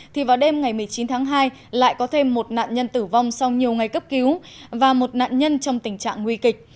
thì vào đêm ngày một mươi chín tháng hai lại có thêm một nạn nhân tử vong sau nhiều ngày cấp cứu và một nạn nhân trong tình trạng nguy kịch